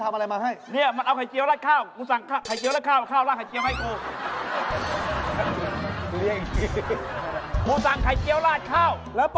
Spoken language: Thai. เผาร้านมันเลยพี่หวานอย่างนี้ไม่ถูกไม่ได้